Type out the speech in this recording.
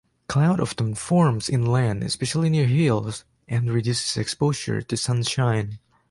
Cloud often forms inland, especially near hills, and reduces exposure to sunshine.